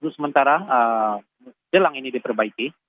sementara jelang ini diperbaiki